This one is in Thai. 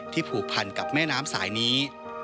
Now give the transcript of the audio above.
ผูกพันกับแม่น้ำสายนี้